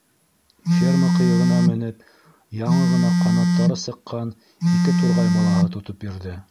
Ферма ҡыйығына менеп, яңы ғына ҡанаттары сыҡҡан ике турғай балаһы тотоп бирҙе.